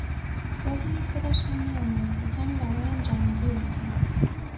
گاهی خودش هم میآمد و کمی برایم جمع و جور میکرد